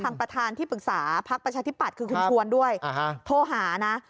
ประธานที่ปรึกษาพักประชาธิปัตย์คือคุณชวนด้วยโทรหานะ